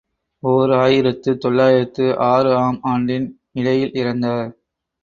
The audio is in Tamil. ஓர் ஆயிரத்து தொள்ளாயிரத்து ஆறு ஆம் ஆண்டின் இடையில் இறந்தார்.